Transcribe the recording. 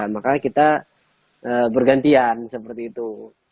maka kita bergantian seperti itu